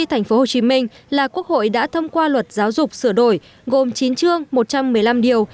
của nhiều cử tri tp hcm là quốc hội đã thông qua luật giáo dục sửa đổi gồm chín chương một trăm một mươi năm điều